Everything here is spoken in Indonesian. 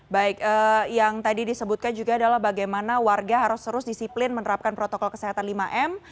baik yang tadi disebutkan juga adalah bagaimana warga harus terus disiplin menerapkan protokol kesehatan lima m